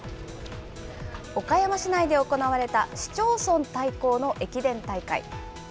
岡山市内で行われた市町村対抗の駅伝大会。